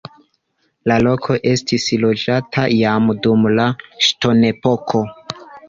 La loko estis loĝata jam dum la ŝtonepoko.